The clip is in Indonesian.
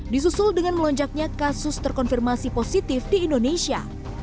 disusul dengan melonjaknya kasus terkonfirmasi positif di indonesia